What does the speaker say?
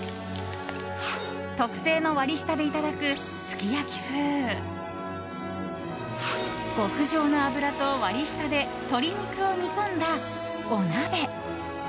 特製の割り下でいただくすき焼き風。極上の脂と割り下で鶏肉を煮込んだお鍋。